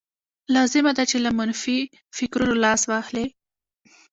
لازمه ده چې له منفي فکرونو لاس واخلئ.